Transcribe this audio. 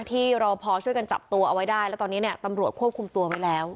รอพอช่วยกันจับตัวเอาไว้ได้แล้วตอนนี้เนี่ยตำรวจควบคุมตัวไว้แล้ว